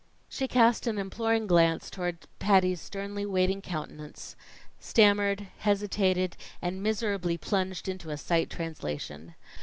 She cast an imploring glance toward Patty's sternly waiting countenance, stammered, hesitated, and miserably plunged into a sight translation.